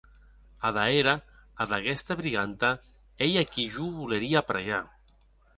Ada era, ad aguesta briganta ei a qui jo voleria apraiar.